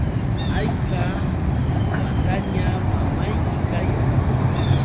¿hayka wataña mamayki kayan?